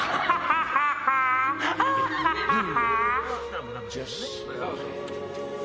アハハハ！